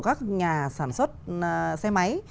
các nhà sản xuất xe máy